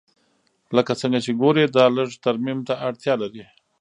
لکه څنګه چې ګورې دا لږ ترمیم ته اړتیا لري